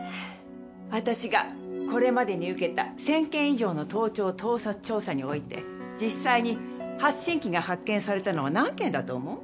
私がこれまでに受けた１，０００件以上の盗聴盗撮調査において実際に発信器が発見されたのは何件だと思う？